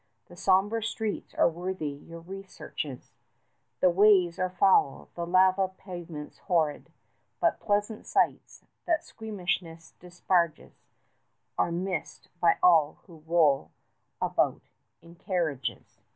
The sombre streets are worthy your researches: The ways are foul, the lava pavement's horrid, But pleasant sights, that squeamishness disparages, Are missed by all who roll about in carriages.